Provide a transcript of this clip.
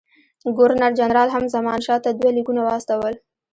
ګورنر جنرال هم زمانشاه ته دوه لیکونه واستول.